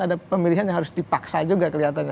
ada pemilihan yang harus dipaksa juga kelihatannya